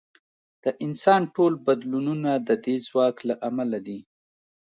د انسان ټول بدلونونه د دې ځواک له امله دي.